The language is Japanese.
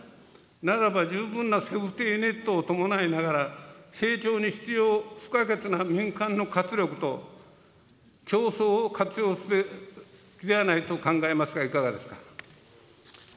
ならば十分なセーフティネットを伴いながら、成長に必要不可欠な民間の活力と、競争を活用すべきではないかと考えますがいかがですか。